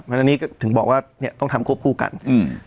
อันนี้ก็ถึงบอกว่าเนี้ยต้องทำควบคู่กันอืม